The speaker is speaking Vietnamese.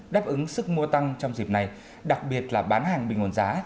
đáp ứng sức mua tăng trong dịp này đặc biệt là bán hàng bình ổn giá